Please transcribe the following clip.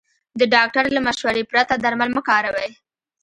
د ډاکټر له مشورې پرته درمل مه کاروئ.